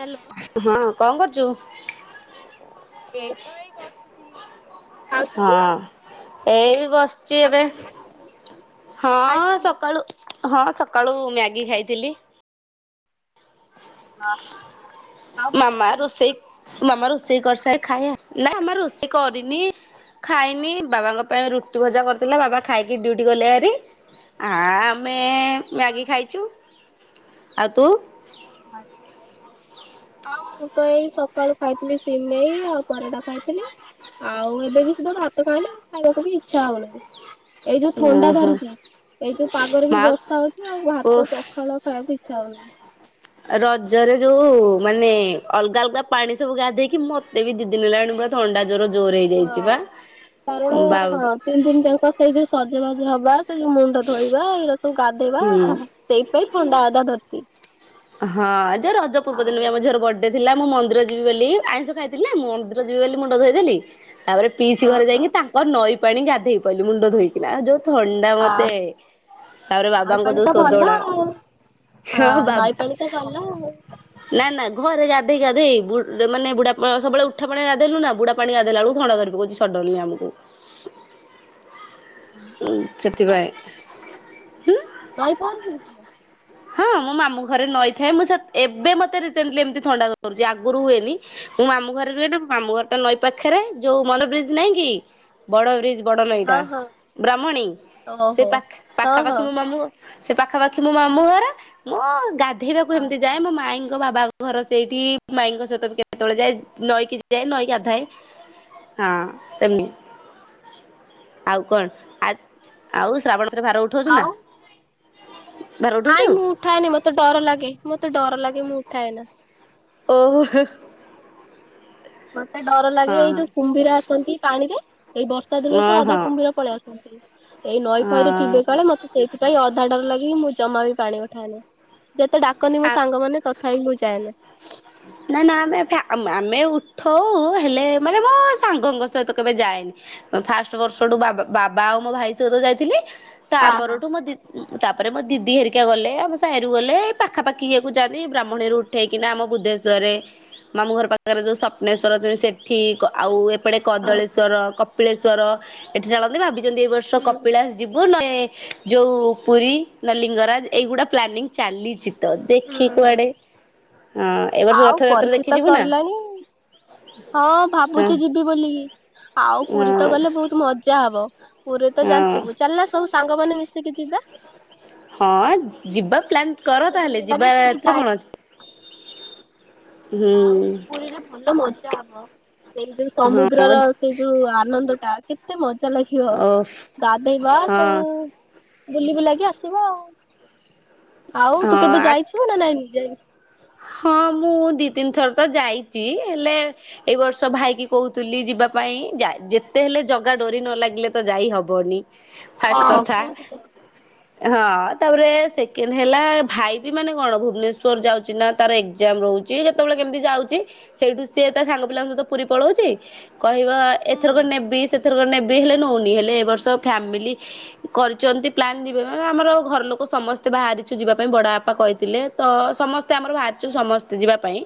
Hello. ହଁ କଣ୍ କରୁଚୁ? ଏଇ ତ ଏଇ ବସିଚି। ହଁ ଏଇ ବସିଚି ଆଉ ଏବେ। ଖାଇସାରିଲୁଣି ହଁ ଖାଇସାରିଲୁଣି? ସକାଳୁ ହଁ ସକାଳୁ ମ୍ୟାଗି ଖାଇଥିଲି। ହଁ ଆଉ ଭାତ ମାମା ଖାଇନି। ରୋଷେଇ ମାମା ରୋଷେଇ କରିସା ଖାଇଆ- ନାଇଁ ମାମା ରୋଷେଇ କରିନି ଖାଇନି ବାବାଙ୍କ [unintelligible] ରୁଟି ଭଜା କରିଥିଲା ବାବା ଖାଇକି ଡ୍ୟୁଟି ଗଲେ ଭାରି ଆ- ଆମେ ଓହୋ। ମ୍ୟାଗି ଖାଇଚୁ -ଆଉ ତୁ? [inaudible] ହଁ ମୁଁ ତ ଏଇ ସକାଳୁ ଖାଇଥିଲି ସିମେଇ ଆଉ ପରଟା ଖାଇଥିଲି। ଆଉ ଏବେ ବି ସିଧା ଭାତ ଖାଇଲି ଆଉ ଖାଇବାକୁ ବି ଇଚ୍ଛା ହଉନାହିଁ। ଏଇ ଯଉ ଥଣ୍ଡା ଓହୋ ଧରୁଚି ଏଇ ଯଉ ପାଗରେ ବି ମା ବର୍ଷା ହଉଚି ଆଉ ଭାତ ଓଫ୍ ପଖାଳ ଖାଇବାକୁ ଇଛା ହଉନି। ରଜରେ ଯଉ ମାନେ ଅଲଗା ଅଲଗା ପାଣି ସବୁ ଗାଧେଇକି ମତେ ବି ଦି ଦିନି ହେଲାଣି ମତେ ପୁରା ଥଣ୍ଡା ଜର ଜୋର୍ ରେ ହେଇଯାଇଚି ହଁ। ବା କାରଣ ବାଉ ହଁ ତିନି ଦିନ ଜାଙ୍କ ସେଇ ଯଉ ସଜବାଜ ହବା ସେ ଯଉ ମୁଣ୍ଡ ଧୋଇବା ଏରା ସବୁ ଗାଧେଇବା ହୁଁ। ହା- ହା। ସେଇ ପାଇଁ ଥଣ୍ଡା ଆକା ଧରଚି। ହଁ ରଜ ପୂର୍ବ ଦିନ ଆଉ ଆମ ଝିଅ ର ବଡ୍ [unintelligible] ମୁଁ ମନ୍ଦିର ଯିବି ବୋଲି ଆଇଁଷ ଖାଇଥିଲି ନା ମୁଁ ମନ୍ଦିର ଯିବି ବୋଲି ମୁଣ୍ଡ ଧୋଇଦେଲି ତାପରେ ପିଇସି ହଁ ଘରେ ହଁ। ଯାଇକି ତାଙ୍କ ନଈ ପାଣି ଗାଧେଇ ପଇଲି ମୁଣ୍ଡ ଧୋଇକିନା ଯଉ ଥନ୍ ଡା ଆ ମତେ ତାପରେ ନଈ ବାବାଙ୍କ ପାଣି ଯଉ ତ ଭଲ ଶୋଦଣା ଆଉ [unintelligible] ହଁ ବା ନଈ ପାଣି ତ ଗଲା ଆଉ। ନା ନା ଘରେ ଗାଧେଇ ଗାଧେଇ ବୁ- ମାନେ ବୁଡା ସବୁବେଳେ ଉଠା ପାଣି ଗାଧେଇଲି ନା ବୁଡା ପାଣି ଗାଧେଇଲା ବଳୁକୁ ଥଣ୍ଡା ଧରି ପକଉଚି ସଡନ୍ଲି ଆମକୁ। ହୁଁ ସେଥି ପାଇଁ। ନଈ ପହଁରି ଶିକିଚୁ ନା? ହଁ ମୋ ମାମୁଁ ଘରେ ନଈ ଥାଏ ମୁଁ ସେତ୍- ଏବେ ମୋତେ ରିସେଣ୍ଟ୍ଲି ଏମିତି ଥଣ୍ଡା ଧରୁଚି ଆଗୁରୁ ହୁଏନି। ମୁଁ ମାମୁଁ ଘରେ ରୁହେ ମାମୁଁ ଘର ଟା ନଈ ପାଖେରେ ଯଉ ମନ ବ୍ରିଜ୍ ନାଇଁ କି ବଡ ବ୍ରିଜ୍ ବଡ ନଈଟା ହଁ ହଁ। ବ୍ରାହ୍ମଣୀ ସେ ଓହୋ। ପାଖ- ହଁ ପାଖାପାଖି ହଁ। ମୋ ମାମୁଁଘର ସେ ପାଖାପାଖି ମୋ ମାମୁଁ ଘର ମୁଁ ଗାଧେଇବାକୁ ଏମିତି ଆଚ୍ଛା ଯାଏ ମୋ ମାଇଁଙ୍କ ବାବା ଘର ସେଇଠି ମାଇଁ ଙ୍କ ସହିତ ବି କେତେବେଳେ ଯାଏ ନଈକି ଯାଏ ନଈ ଗାଧାଏ। ହଁ ସେମିତି ଆଉ କଣ ଆ ଆଉ ଶ୍ରାବଣ ମାସରେ ଭାର ଉଠଉଚୁ ନା? ଆଉ ଭାର ଉଠଉଛୁ ନାଇଁ ମୁଁ ଉଠାଏନି ମତେ ଡର ଲାଗେ ମତେ ଡର ଲାଗେ ମୁଁ ଉଠାଏ ନା। ଓ ହ। ମତେ ଡର ଲାଗେ ଏଇ ଯଉ କୁମ୍ଭୀର ଆସନ୍ତି ପାଣି ରେ ଏଇ ବର୍ଷ ସେଦିନ ହଁ ଠୁ ଅଧା ହଁ। କୁମ୍ଭୀର ପଳେଇ ଆସନ୍ତି ଏଇ ନଈ ଫଇ ରେ ହଁ ଥିବେ କାଳେ ମତେ ସେଇଥିପାଇଁ ଅଧା ଡର ଲାଗେ ମୁଁ ଜମା ବି ପାଣି ପଠାଏନି ଯେତେ ଡାକନ୍ତିି ଆ ମ ସାଙ୍ଗମାନେ ତ ଖାଇଲୁ ଯାହେଲେ। [inaudible] ନା ନା, ଆମେ ଏଫେ ଆମେ ଆମେ ଉଠଉ, ହେଲେ ମାନେ ମୋ ସାଙ୍ଗଙ୍କ ସହିତ କେବେ ଯାଏନି। ଫାଷ୍ଟ ବର୍ଷଠୁ ବାବା ବାବା ଆଉ ମୋ ଭାଇ ସହିତ ଯାଇଥିଲି, ହଁ ହଁ ତାପରଠୁ ମୋ ଦି ଉଁ ତାପରେ ମୋ ଦିଦି ହେରିକା ଗଲେ, ଆମ ସାହିରୁ ଗଲେ, ପାଖାପାଖି ଇଏକୁ ଯାଆନ୍ତିି, ବ୍ରାହ୍ମଣୀରୁ ଉଠେଇକିନା ଆମ ବୁଦ୍ଧେଶ୍ୱରରେ, ମାମୁ ଘର ପାଖରେ ଯଉ ସପ୍ନେଶ୍ୱର ଅଛନ୍ତି, ସେଠି କ ଆଉ ଏ ସେପଟେ ଓହୋ। କଦଳେଶ୍ଵର, କପିଳେଶ୍ଵର ଏଠି [unintelligible] ଭାବିଛନ୍ତି ଏଇ ବର୍ଷ ହୁଁ ହୁଁ। କପିଳାସ ଯିବୁ, ନ ଏ ଯଉ ପୁରୀ, ନ ଲିଙ୍ଗରାଜ, ଏଇଗୁଡ଼ା ପ୍ଲାନିଂ ଚାଲିଛି। ତ ଦେଖି ହୁଁ ହୁଁ କୁଆଡେ ହଁ ଏ ବର୍ଷ ଆଉ ରଥଯାତ୍ରା ପରୀକ୍ଷା ଦେଖି ତ ଯିବୁ ନା ସରିଲାଣି। ହଁ, ହଁ ଭାବୁଛି ଯିବି ବୋଲିକି। ଆଉ ପୁରୀ ତ ହଁ ଗଲେ ବହୁତ ମଜା ହବ, ପୁରୀରେ ତ ହଁ। ଜାଣିଥିବୁ, ଚାଲୁନ, ସବୁ ସାଙ୍ଗମାନେ ମିଶିକି ଯିବା। ହଁ, ଯିବା ପ୍ଲାନ୍ କର କେତେ ଦିନ ତାହେଲେ, ହେଲା ଯିବା, ବି ପୁରୀ ଏଥିରେ ଯାଇ କଣ ଅଛି? ହୁଁ ଆଉ ପୁରୀରେ ଭଲ ମଜା ହବ, ସେଇ ଯୋଉ ହଁ ସମୁଦ୍ରର ସେ ଯୋଉ ଆନନ୍ଦଟା କେତେ ମଜା ଲାଗିବ, ଓଫ୍ ଗାଧେଇବା ହଁ ସବୁ ବୁଲି ବୁଲାକି ଆସିବ ଆଉ। ଆଉ ତୁ କେବେ ହଁ ଯାଇଛୁ ନା ନାଇଁ ଯାଇନୁ? ହଁ, ମୁଁ ଦି ତିନି ଥର ତ ଯାଇଛି, ହେଲେ ଏଇ ବର୍ଷ ଭାଇକି କହୁଥିଲି ଯିବା ପାଇଁ, ଯା ଯେତେ ହେଲେ ଜଗା ଡୋରି ନ ଲାଗିଲେ ତ ଯାଇ ହବନି। ଫାଷ୍ଟ ହଁ କଥା କୁହନ୍ତୁ ତ ହଁ, ତାପରେ ସେକେଣ୍ଡ ହେଲା, ଭାଇ ବି ମାନେ କଣ ଭୁବନେଶ୍ଵର ଯାଉ ଛି ନା, ତାର ଏକ୍ଜାମ ରହୁଛି, ଯେତେବେଳେ କେମିତି ଯାଉଛି, ସେଇଠୁ ସିଏ ତା ସାଙ୍ଗ ପିଲାଙ୍କ ସହିତ ପୁରୀ ପଳାଉଛି କହିବ ଏଥରକ ହୁଁ ନେବି, ସେଥରକ ନେବି, ହେଲେ ନଉନି, ହେଲେ ଏ ବର୍ଷ ଫାମିଲି କରିଛନ୍ତି ପ୍ଲାନ୍ ଯିବେ, [unintelligible] ଆମର ଘର ଲୋକ ସମସ୍ତେ ବାହାରିଛୁ ଯିବା ପାଇଁ, ବଡ ବାପା କହିଥିଲେ, ତ ସମ ସ୍ତେ ଆମର ବାହାରିଛୁ ସମସ୍ତେ ଯିବା ପାଇଁ।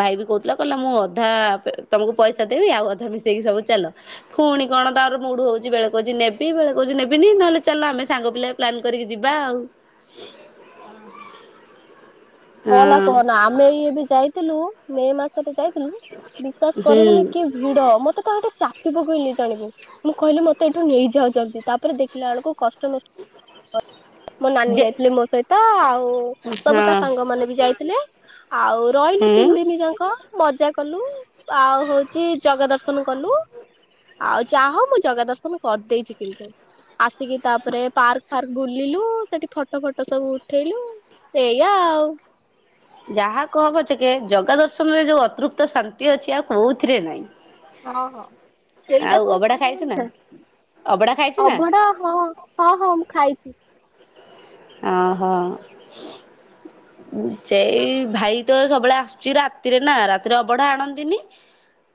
ଭାଇ ବି କହୁଥିଲା, କହିଲା, ମୁଁ ଅଧା ପ ତମକୁ ପଇସା ଦେବି, ଆଉ ଅଧା ମିଶେଇକି ସବୁ ଚାଲ। ଫୁଣି କଣ ତାର ମୁଡୁ ହଉଛି, ବେଳେ କହୁଛି ନେବି, ବେଳେ କହୁଛି ନେବିନି, ନହେଲେ ଚାଲ ଆମେ ସାଙ୍ଗ ପିଲା ପ୍ଲାନ୍ କରିକି ଯିବା ଆଉ। କହନା ହଁ କହନା ଆମେ ଏଇ ଏବେ ଯାଇଥିଲୁ, ମେ ମାସ ରେ ଯାଇଥିଲୁ, ବିଶ୍ଵାସ ହୁଁ କରିବୁନି କି ଭିଡ, ମତେ କଣ ହେଟି ଚାପି ପକେଇଲେ ଜାଣିବୁ। ମୁଁ କହିଲି ମତେ ଏଠୁ ନେଇଯାଅ ଯଲ୍ଦି, ତାପରେ ଦେଖିଲା ବେଳକୁ କଷ୍ [inaudible] ମୋ ନାନୀ ଯେ ଯାଇଥିଲେ ମୋ ସହିତ। ହୁଁ। ହଁ ତାପରେ ତା ସାଙ୍ଗ ମାନେ ବି ଯାଇଥିଲେ, ଆଉ ରହିଲୁ ହୁଁ ତିନି ଦିନ ଯାକ। ମଜା କଲୁ, ଆଉ ହଉଛି ଜଗା ଦର୍ଶନ କଲୁ। ଆଉ ଯାହ ମୁଁ ଜଗା ଦର୍ଶନ କରିଦେଇଛି କିନ୍ତୁ। ଆସିକି ତାପରେ ପାର୍କ ଫାର୍କ ବୁଲିଲୁ, ସେଠି ଫଟୋ ଫଟ ସବୁ ଉ ଠେଇଲୁ, ଏଇଆା ଆଉ। ଯାହା କୁହ ପଛକେ, ଜଗା ଦର୍ଶନରେ ଯୋଉ ଅତୃପ୍ତ ଶାନ୍ତି ଅଛି, ଆଉ କୋଉଥିରେ ନାହିଁ। ହଁ, ହଁ, ସେଇଟା ଆଉ ପୁଣି ଅବଢା ଖାଇଛୁ କହିହେବନି ନା, ଅବଢା ଖାଇଛୁ ନା ଅଭଡ଼ା ହଁ, ହଁ, ହଁ, ମୁଁ ଖାଇଛି। ଓହୋ। ଉଁ ସେଇ ଭାଇ ତ ସବୁବେଳେ ଆସୁଛି ରାତିରେ ନା, ରାତିରେ ଅବଢା ଆଣନ୍ତିନି।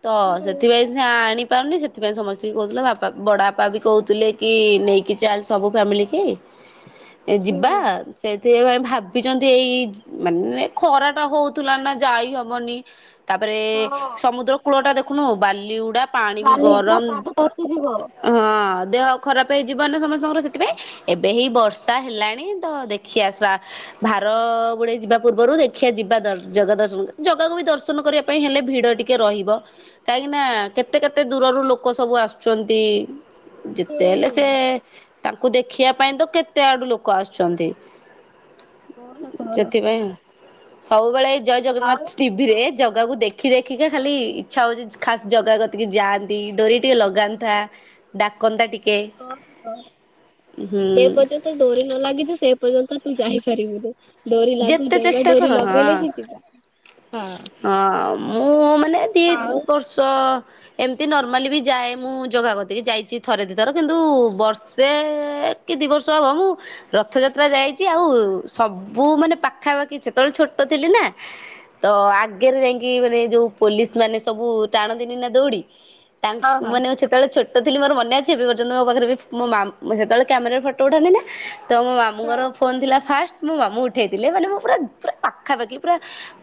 ତ ହୁଁ ସେଥିପାଇଁ ସିନା ଆଣିପାରୁନି ସେ ସେଥିପାଇଁ ସମସ୍ତଙ୍କୁ କହୁଥିଲେ, ବାପା, ବଡ଼ ବାପା ବି କହୁଥିଲେ କି, ନେଇକି ଚାଲ ସବୁ ଫ୍ୟାମିଲିକି। ଏ ଯିବା। ହୁଁ ସେ ଥିପାଇଁ ଭାବିଛନ୍ତି, ଏଇ ମାନେ ଖରାଟା ହଉଥିଲା ନା, ଯାଇ ହବନି। ତାପରେ ହଁ ସମୁଦ୍ର କୂଳ ଟା ଦେଖୁନୁ ବାଲିଗୁଡା ପାଣି ବି ବାଲି ପୁରା ଗରମ୍। ପାଦ ତାତିଯିବ। ହଁ ଦେହ ଖରାପ ହେଇଯିବ ନା ସମସ୍ତଙ୍କର ସେଥିପାଇଁ ଏବେ ହେଇ ବର୍ଷ। ର୍ଷା ହେଲାଣି ତ ଦେଖିଆ ଶ୍ରା ଭାର ବୁଡେଇ ଯିବା ପୂର୍ବରୁ ଦେଖିବା ଯିବା ଦର୍ ଜଗା ଦର୍ଶନ ଜଗାକୁ ବି ଦର୍ଶନ କରିବା। ପାଇଁ ହେଲେ ଭିଡ଼ ଟିକେ ରହିବ କାହିଁକିନା କେତେ କେତେ ଦୂରରୁ ଲୋକ ସବୁ ଆସୁଛନ୍ତି। ହୁଁ ଯେତେ ହେଲେ ହୁଁ। ସେ ତାଙ୍କୁ ଦେଖିବା ପାଇଁ ତ କେତେ ଆଡୁ ଲୋକ ଆସୁଛନ୍ତି। କହନା କହନା। ସେଥିପାଇଁ ସବୁବେଳେ ଜୟ ଆଉ ଜଗନ୍ନାଥ ଟି ଭିରେ ଜାଗାକୁ ଦେଖି ଦେଖିକା ଖାଲି ଇଚ୍ଛା ହଉଛି ଖାସ୍ ଜଗା କତିକି ଯାଆନ୍ତିକି ଡୋରି ଟିକେ ଲଗାନ୍ ଥା ଡାକନ୍ତା ଟିକେ କହନା ହୁଁ। ତୋ ଡୋରି ନ ଲାଗିଛି ସେ ପର୍ଯ୍ୟନ୍ତ ତୁ ଯାଇ ପାରିବୁନୁ। ଡୋରି ଲାଗୁ ଯେତେ ଜଗା ଚେଷ୍ଟା କର ଡୋରି ଲଗେଇଲେ ହଁ ହିଁ ଯିବା ହଁ। ହଁ ମୁଁ ମାନେ ଦି ବର୍ଷ ଏମିତି ନର୍ମାଲି ବି ଯାଏ ମୁଁ ଜଗା କତିକି ଯାଇଛି ଥରେ ଦୁଇ ଥର କିନ୍ତୁ ବର୍ଷେ କି ଦି ବର୍ଷ ହବ ମୁଁ ରଥଯାତ୍ରା ଯାଇଛି ଆଉ ସବ ବୁ ମାନେ ପାଖାପାଖି ସେତେବେଳେ ଛୋଟ ଥିଲି ନା? ତ ଆଗରେ ଯାଇକି ମାନେ ଯୋଉ ପୋଲିସ ମାନେ ସବୁ ଟାଣନ୍ତିନି ନା ଦୌଡି? ହଁ ତାଙ୍କ ହଁ। ମାନେ ସେ [unintelligible] ସେତେବେଳେ ଛୋଟ ଥିଲ ମୋର ମନେ ଅଛି ଏବେ ପର୍ଯ୍ୟନ୍ତ ମୋ ପାଖରେ ବି ମୋ ମା ସେତେବେଳେ କ୍ୟାମେରେ ଫଟୋ ଉଠାନ୍ତି ନା? ତ ମୋ ମାମୁଙ୍କର ହଁ। ଫୋନ୍ ଥିଲା ଫାଷ୍ଟ ମୋ ମାମୁଁ ଉଠେଇଥିଲେ ମାନେ ମୁଁ ପୁରା ପୁରା ପାଖାପାଖି ପୁରା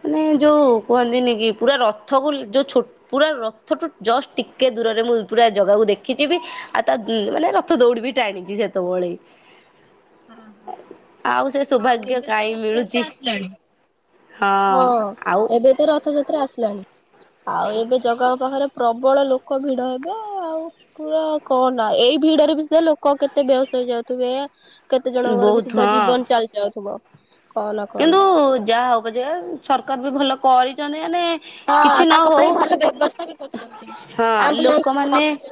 ମାନେ ଯୋଉ କୁହନ୍ତିନି କି ପୁରା ରଥକୁ ଯୋଉ ଛୋ ପୁରା ରଥଠୁ ଜଷ୍ଟ ଟିକେ ଦୂରରେ ମୁଁ ପୁରା ଜାଗାକୁ ଦେଖିଛି ବି। ଆଉ ତା ମାନେ ରଥ ଦୌଡିିବି ଟାଣିଛି ସେତବଳେ। ହଁ ହଁ ଆଉ ଏବେ? କାହିଁ ରଥଯାତ୍ରା ମିଳୁଛି ଆସିଲାଣି ହଁ ଏବେ ଏବେ ତ ରଥଯାତ୍ରା ଆସିଲାଣି ଆଉ ଏବେ ଜଗାଙ୍କ ପାଖରେ ପ୍ରବଳ ଲୋକ ଭିଡ ହେବେ ଆଉ? ତୁ ଆଉ କହାନା ଏଇ ଭିଡରେ ଭିତରେ ଲୋକ କେତେ ବେହସ ହେଇଯାଉଥିବେ। କେତେ ଜଣଙ୍କର ବି ବହୁତ ସୁଧା ହଁ ଜୀବନ ଚାଲିଯାଉଥୁବ। କିନ୍ତୁ ଯାହା ହଉ ପଛେକେ ସରକାର ବି ଭଲ କରିଛନ୍ତି ମାନେ ହଁ କିଛି ନ ତାଙ୍କ ହଉ ପାଇଁ ଭଲ ବ୍ୟବସ୍ଥା ବି କରୁଛନ୍ତି ହଁ ଆମ୍ବୁଲାନ୍ସ ଲୋକମାନେ ରଖିଛନ୍ତି।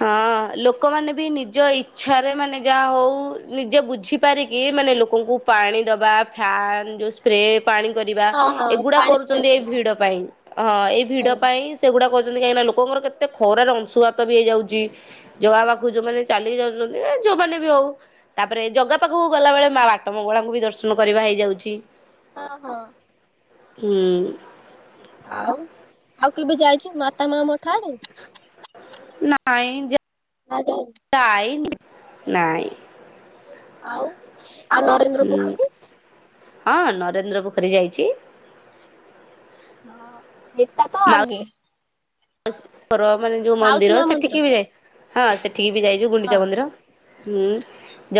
ହଁ ଲୋକମାନେ ବି ନିଜ ଇଛାରେ ମାନେ ଯାହା ହଉ ନିଜେ ବୁଝି ପାର କିି ମାନେ ଲୋକଙ୍କୁ ପାଣି ଦବା ଫ୍ୟାନ୍ ଯୋଉ ସ୍ପ୍ରେ ପାଣି କରିବା ହଁ ହଁ ଏଗୁଡା ପାଣି ସ୍ପ୍ରେ କରୁଛନ୍ତି ଏଇ କରିବା ଭିଡ ପାଇଁ ହଁ ଏଇ ହୁଁ। ଭିଡ ପାଇଁ ସେଗୁଡା କହିଛନ୍ତି କାହିଁକି ନା ଲୋକଙ୍କର କେତେ ଖରାରେ ଅଂଶୁଘାତ ବି ହେଇଯାଉଛି। ଜଗା ପାଖକୁ ଯୋଉମାନେ ଚାଲିି ଯାଉଛନ୍ତି ଯୋଉମାନେ ବି ହଉ ତାପରେ ଜଗା ପାଖକୁ ଗଲାବେଳେ ମା ବାଟ ମଙ୍ଗଳାଙ୍କୁ ବି ଦର୍ଶନ କରିବା ହେଇଯାଉଛି। ହଁ ହଁ। ହୁଁ। ଆଉ ଆଉ କେବେ ଯାଇଛୁ ମାତା ମା ମଠ ଆଡେ? ନାଇଁ ଯେ ଆ [inaudible] ଟାଇମି ନାଇଁ। ଆଉ ଆଉ ନରେନ୍ଦ୍ର ହୁଁ ପୋଖରୀ ହଁ ନରେନ୍ଦ୍ର ପୋଖରୀ ଯାଇଛି। ହଁ ଏତା ତ ଆଗେ। ମାଉସୀ ମାନେ ଯୋଉ ମାଉସୀ ମନ୍ଦିର ମା ସେଠିକି ବି ଯାଇ ହଁ ସେଠିକି ବି ଯାଇଚୁ ହଁ। ଗୁଣ୍ଡିଚା ମନ୍ଦିର। ହୁଁ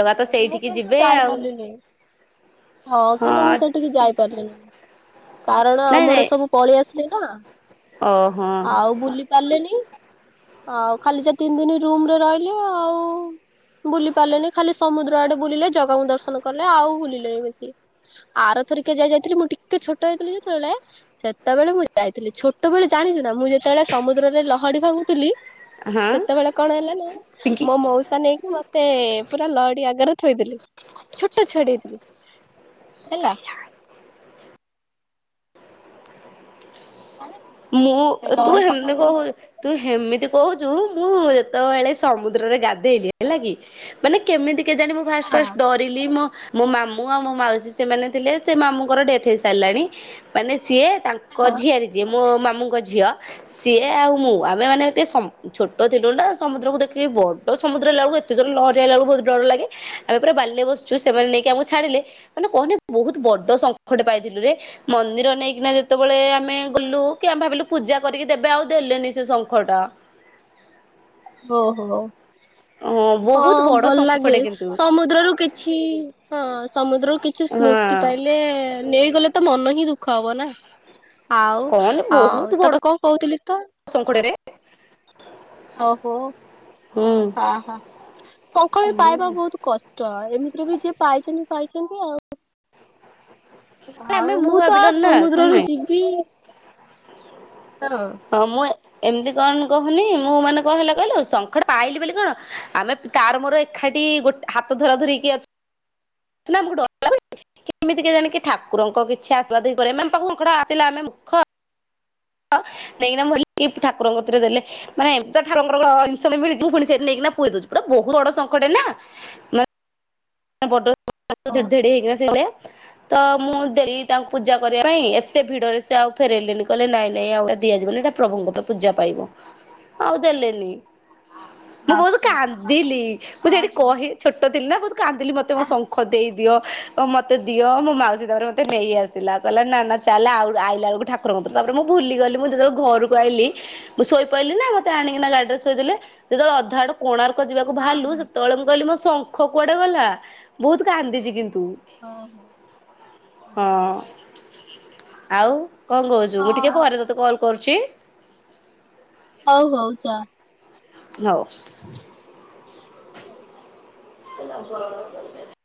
ଜଗା ତ ହଁ ମୁଁ ସେଇଠିକି କିନ୍ତୁ ଯିବେ ଆଉ? ଯାଇପାରିଲିନି ହଁ କିନ୍ତୁ ମୁଁ ସେଠିକି ଯାଇପାରିଲିନି କାରଣ ନାଇଁ ଆମର ନାଇଁ ସବୁ ପଳେଇ ଆସିଲି ନା। ଓହୋ। ଆଉ ବୁଲି ପାରଲିନି। ଆଉ ଖାଲି ସେ ତିନି ଦିନ ରୁମରେ ରହିଲି ଆଉ। ବୁଲି ପାରିଲେନି ଖାଲି ସମୁଦ୍ର ଆଡେ ବୁଲିଲେ ଜଗାଙ୍କୁ ଦର୍ଶନ କଲେ ଆଉ ବୁଲିଲେନି ବେଶୀ। ଆର ଥରିକେ ଯାଇ ଯାଇଥିଲି ମୁଁ ଟିକେ ଛୋଟ ହେଇଥିଲି ଯେତେବେଳେ ସେତେବେଳେ ମୁଁ ଯାଇଥିଲି ଛୋଟବେଳେ ଜାଣିଚୁ ନା ମୁଁ ଯେତେବେଳେ ସମୁଦ୍ରରେ ଲହଡି ଭାଙ୍ଗୁଥିଲି? ହଁ ସେତେବେଳେ କଣ ହେଲା ନା ପିଙ୍କି ମୋ ମଉସା ନେଇକି ମୋତେ ପୁରା ଲହଡି ଆଗରେ ଥୋଇଦେଲେ ଛୋଟ ଛୁଆଟେ ହେଇଥିଲି ହେଲା। [inaudible] ମୁଁ ସେ ତୁ ଲହରୀ ହେମ ପାଖରେ କ ନେଇକି [unintelligible] ତୁ ହେମିତି କହୁଚୁ ମୁଁ ଯେତେବେଳେ ସମୁଦ୍ରରେ ଗାଧେଇଲିି ହେଲା କି? ମାନେ କେମିତି କେଜାଣି ମୁଁ ଫାଷ୍ଟ ଫାଷ୍ଟ ଡ ରିଲି ମୋ ମାମୁଁ ଆଉ ମୋ ମାଉସୀ ସେମାନେ ଥିଲେ ସେ ମାମୁଁଙ୍କର ଡେଥ ହେଇ ସାରିଲାଣି। ମାନେ ସିଏ ତାଙ୍କ ହଁ। ଝିଆରୀ ଯିଏ ମୋ ମାମୁଁଙ୍କ ଝିଅ ସିଏ ଆଉ ମୁଁ ଆମେ ମାନେ ଟିକେ ସମ୍ ଛୋଟ ଥିଲୁ ନା ସମୁଦ୍ରକୁ ଦେଖିକି ବଡ ସମୁଦ୍ର ହେଲାବେଳକୁ ଏତେ ଯୋର ଲହରି ଆଇଲା ବେଳକୁ ବହୁତ ଡର ଲାଗେ। ଆମେ ପୁରା ବାଲିରେ ବସିଚୁ ସେମାନେ ନେଇକି ଆମକୁ ଛାଡିଲେ। ମାନେ କହନି ବହୁତ ବଡ ଶଙ୍ଖଟେ ପାଇଥିଲୁରେ ମନ୍ଦିର ନେଇକିନା ଯେତେବେଳେ ଆମେ ଗଲୁ କି ଆମେ ଭାବିଲୁ ପୂଜା କରିକି ଦେବେ ଆଉ ଦେଲେନି ସେ ଶଙ୍ଖଟା। ଓହୋ ହଁ ବହୁତ ବଡ ଭଲ ଲାଗେ। ଶଙ୍ଖଟେ କିନ୍ତୁ ସମୁଦ୍ରରୁ କିଛି ହଁ ସମୁଦ୍ରରୁ କିଛି ହଁ ସ୍ମୃତି ପାଇଲେ ନେଇଗଲେ ତ ମନ ହିଁ ଦୁଃଖ ହବ ନା ଆଉ ଅ ତୋତେ କଣ କହୁଥିଲି ତ? ଶଙ୍ଖଟାରେ। ଓହୋ ଆହା ଶଙ୍ଖ ବି ପାଇବା ବହୁତ କଷ୍ ଷ୍ଟ ଏମିତିରେ ବି ଯିଏ ପାଇଚନ୍ତି ପାଇଚନ୍ତି ଆଉ ଆମେ ଆଉ ମୁଁ ତ ଭାବିଲୁ ନା ସମୁଦ୍ରରୁ ଶୁଣୁନେ ଯିବି ଆଁ। ହଁ ମୁଁ ଏମିତି କଣ କହୁନି ମୁଁ ମାନେ କଣ ହେଲା କହିଲ ଶଙ୍ଖଟା ପାଇଲି ବୋଲି କଣ ଆମେ ତାର ମୋର ଏଖାଠି ଗୋଟ ହାତ ଧରା ଧୁରିକି ଅଛ ନାଁ ଆମକୁ ଡର ଲାଗୁଚି। କେମିତି କେଜାଣି କି ଠାକୁରଙ୍କ କିଛି ଆଶୀର୍ବାଦ ହିଁ କରିବା ମାମ୍ ପାଖକୁ ଆସିଲା ଆମେ ମୂର୍ଖ। ହଁ ନେଇକିନା ମୁଁ ଭାବିଲି କି ଠାକୁରଙ୍କ କତିରେ ଦେଲେ। ମାନେ ଏମିତି ଠାକୁରଙ୍କ ଜିନିଷ ଟେ ମିଳିଚି ତୁ ଫୁଣି ନେଇକି ପୁରେଇ ଦଉଚୁ ପୁରା ବହୁତ ବଡ ଶଙ୍ଖଟେ ନା ମାନେ। [inaudible] ବଡ [inaudible] ଓ ଧେଡ୍ ଧେଡ୍ ହେଇକିନା ସେ [unintelligible] ତ ମୁଁ ଦେଲି ତାଙ୍କୁ ପୂଜା କରିବା ପାଇଁ ଏତେ ଭିଡ଼ରେ ସେ ଆଉ ଫେରେଇଲେନି କହିଲେ ନାଇଁ ନାଇଁ ଆଉ ଏଟା ଦିଆଯିବନି ତ। ପ୍ରଭୁଙ୍କ ପା ପୂଜା ପାଇବ ଆଉ ଦେଲେନି। ମୁଁ ବହୁତ ଆଚ୍ଛା ଆଚ୍ଛା କାନ୍ଦିଲି ମୁଁ ସେଠି ଓହୋ କହି ଛୋଟ ଥିଲି ନା ବହୁତ କାନ୍ଦିଲି ମୋତେ ମୋ ଶଙ୍ଖ ଙ୍ଖ ଦେଇ ଦିଅ ମୋତେ ଦିଅ ମୋ ମାଉସୀ ତାପରେ ମୋତେ ନେଇ ଆସିଲା କହିଲା ନା ନା। ଚାଲେ ଆଉ ଆଇଲା ବେଳକୁ ଠାକୁରଙ୍କ ତାରେ ମୁଁ ଭୁଲି ଗଲି ମୁଁ ଯେତେବେଳେ ଘରକୁ ଆଇଲି ମୁଁ ଶୋଇପଇଲି ନା ମୋତେ ଆଣିକି ନା ଗାଡି ରେ ଶୋଇଦେଲେ ଯେତେବେଳେ ଅଧା ଆଡୁ କୋଣାର୍କ ଯିବାକୁ ହଁ ହଁ ବାହାରିଲୁ ହଁ ସେତେବେଳେ ମୁଁ କହିଲି ମୋ ଶଙ୍ଖ କୁଆଡେ ଗଲା ବହୁତ କାନ୍ଦିଚି କିନ୍ତୁ ଓହୋ ହଁ। ଆଉ କଣ କହୁଛୁ ମୁଁ ଟିକେ ପରେ ତୋତେ କଲ କରୁଛି? ହଉ ହଉ ଚା। ହଉ। ହଉ। [inaudible]